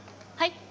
はい。